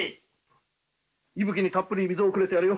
伊吹にたっぷり水をくれてやれよ。